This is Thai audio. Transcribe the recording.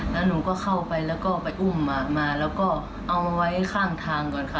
แล้วหนูก็เข้าไปแล้วก็ไปอุ้มมาแล้วก็เอาไว้ข้างทางก่อนค่ะ